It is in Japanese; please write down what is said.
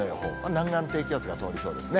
南岸低気圧が通りそうですね。